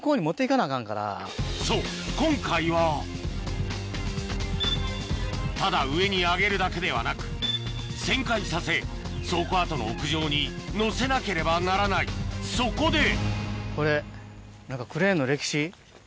そう今回はただ上に上げるだけではなく旋回させ倉庫跡の屋上にのせなければならないそこでこれ。